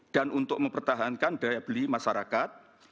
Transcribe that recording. dan untuk mempertahankan daya beli masyarakat